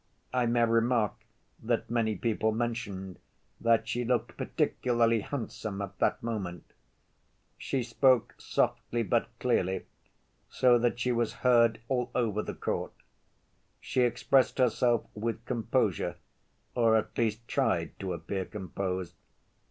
I may remark that many people mentioned that she looked particularly handsome at that moment. She spoke softly but clearly, so that she was heard all over the court. She expressed herself with composure, or at least tried to appear composed.